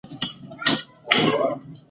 زموږ په ټولنه کې نجونې خرڅېږي.